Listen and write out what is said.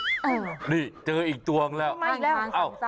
มันมากันเยอะ